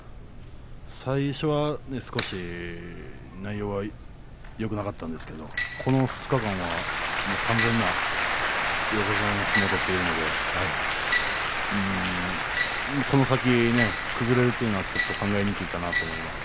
最初は少し内容はよくなかったんですけどこの２日間は完全な横綱の相撲を取っているのでこの先、崩れるというのはちょっと考えにくいかなと思います。